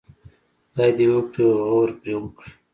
خدای دې وکړي غور پرې وکړي.